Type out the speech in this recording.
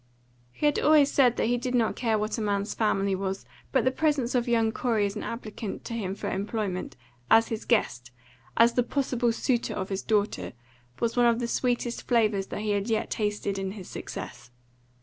He had always said that he did not care what a man's family was, but the presence of young Corey as an applicant to him for employment, as his guest, as the possible suitor of his daughter, was one of the sweetest flavours that he had yet tasted in his success.